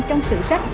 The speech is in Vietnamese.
trong sử sách